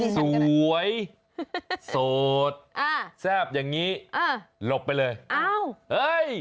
สวยสดแซ่บอย่างนี้หลบไปเลย